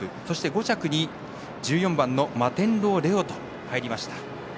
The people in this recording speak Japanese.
５着に１４番マテンロウレオと入りました。